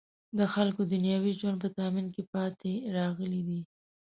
د خلکو دنیوي ژوند په تأمین کې پاتې راغلی دی.